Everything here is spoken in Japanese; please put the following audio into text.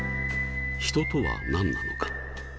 人とは何なのか。